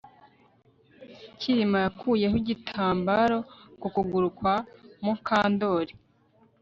Kirima yakuyeho igitambaro ku kuguru kwa Mukandoli